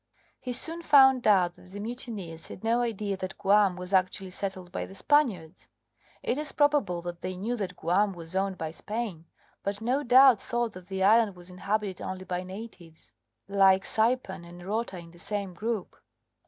He soon found out that the mutineers had no idea that Guam was actually settled by the Spaniards. It is probable that they knew that Guam was owned by Spain, but no doubt thought that the island was inhabited only by natives, like Saipan and Rota in the same group.